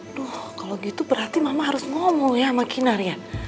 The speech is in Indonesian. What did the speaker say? aduh kalau gitu berarti mama harus ngomong ya sama kinarian